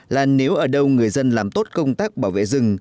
là nếu ở đâu người dân làm tốt công tác bảo vệ rừng